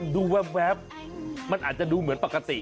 ดูแว๊บมันอาจจะดูเหมือนปกติ